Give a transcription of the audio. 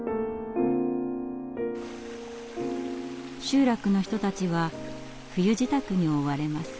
集落の人たちは冬支度に追われます。